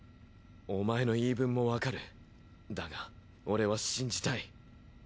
お前の言い分もわかるだが俺は信じたい。